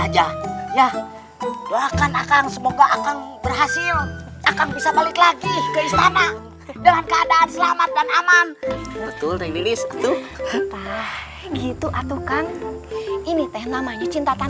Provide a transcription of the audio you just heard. jangan berikan dia aboniropa